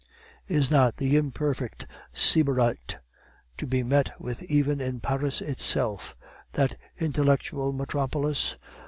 "Is not the imperfect sybarite to be met with even in Paris itself, that intellectual metropolis?